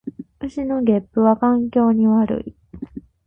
牛のげっぷは環境に悪い